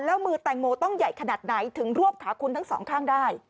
แล้วมือแตงโมต้องใหญ่ขนาดไหนถึงรวบขาคุณทั้งสองข้างได้